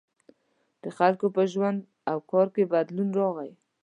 • د خلکو په ژوند او کار کې بدلون راغی.